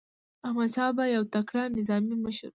احمدشاه بابا یو تکړه نظامي مشر و.